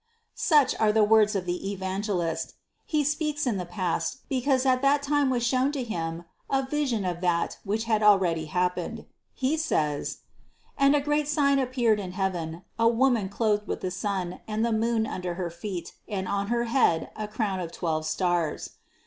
95. Such are the words of the Evangelist. He speaks in the past, because at that time was shown to him a vision of that which had already happened. He says: "And a great sign appeared in heaven ; a woman clothed with the sun and the moon under her feet and on her head a crown of twelve stars."